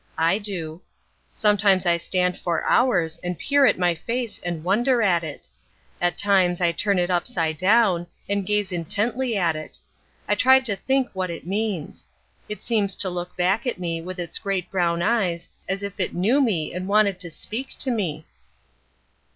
I do. Sometimes I stand for hours and peer at my face and wonder at it. At times I turn it upside down and gaze intently at it. I try to think what it means. It seems to look back at me with its great brown eyes as if it knew me and wanted to speak to me.